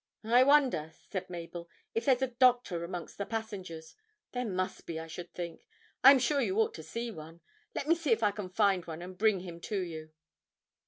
'I wonder,' said Mabel, 'if there's a doctor amongst the passengers. There must be, I should think. I am sure you ought to see one. Let me see if I can find one and bring him to you.'